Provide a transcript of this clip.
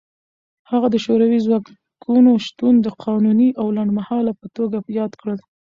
هغه د شوروي ځواکونو شتون د قانوني او لنډمهاله په توګه یاد کړ.